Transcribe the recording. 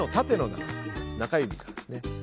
中指からですね。